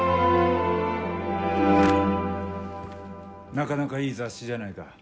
なかなかいい雑誌じゃないか。